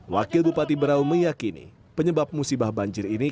wakil bupati berau meyakini penyebab musibah banjir ini